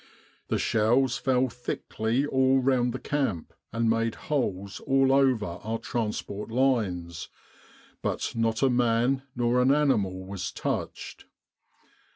The shells fell thickly all round the camp, and made holes all over our transport lines, but not a man nor an animal was touched.